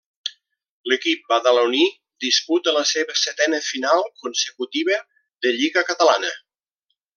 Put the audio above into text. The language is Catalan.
L'equip badaloní disputa la seva setena final consecutiva de lliga catalana.